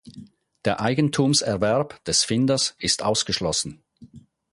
Der Eigentumserwerb des Finders ist ausgeschlossen.